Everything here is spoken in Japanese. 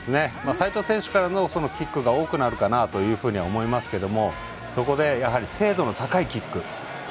齋藤選手からのキックが多くなるかなと思いますけどそこで精度の高いキック。